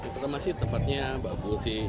pertama sih tempatnya bagus sih